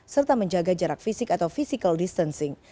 serta menjaga jarak fisik atau physical distancing